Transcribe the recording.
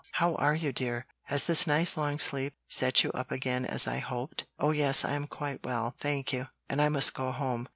"How are you, dear? Has this nice long sleep set you up again as I hoped?" "Oh yes, I'm quite well, thank you, and I must go home.